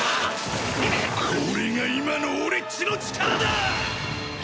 これが今の俺っちの力だ！